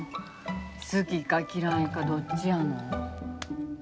好きか嫌いかどっちやの？